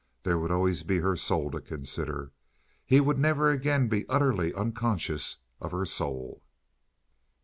There would always be her soul to consider. He would never again be utterly unconscious of her soul.